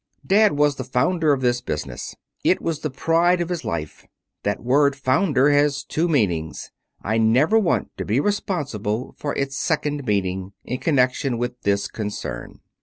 Dad was the founder of this business. It was the pride of his life. That word 'founder' has two meanings. I never want to be responsible for its second meaning in connection with this concern."